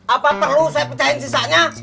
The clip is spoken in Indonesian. apa perlu saya pecahin sisanya